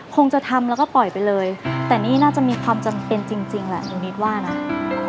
คงจะทำแล้วก็ปล่อยไปเลยแต่นี่น่าจะมีความจำเป็นจริงแหละลุงนิดว่านะ